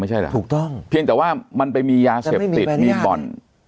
ไม่ใช่ล่ะถูกต้องเพียงแต่ว่ามันไปมียาเสพติดมีบ่อน